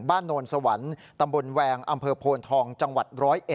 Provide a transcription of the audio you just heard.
โนนสวรรค์ตำบลแวงอำเภอโพนทองจังหวัด๑๐๑